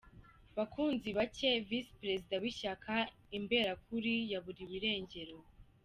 Bakunzibake Visi Perezida w’Ishyaka Imberakuri yaburiwe irengero